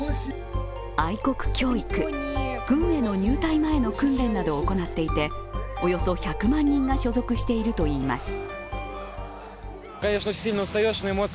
愛国教育、軍への入隊前の訓練などを行っていておよそ１００万人が所属しているといいます。